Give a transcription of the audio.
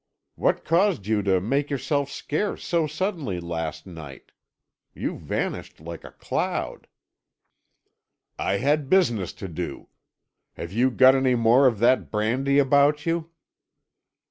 What caused you to make yourself scarce so suddenly last night? You vanished like a cloud." "I had business to do. Have you got any more of that brandy about you?"